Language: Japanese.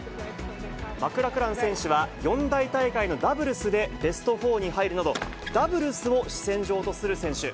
マクラクラン選手は、四大大会のダブルスでベスト４に入るなど、ダブルスを主戦場とする選手。